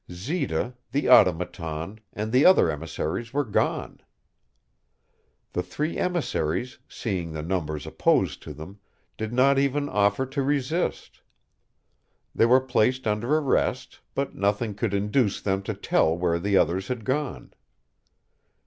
Zita, the Automaton, and the other emissaries were gone. The three emissaries, seeing the numbers opposed to them, did not even offer to resist. They were placed under arrest, but nothing could induce them to tell where the others had gone.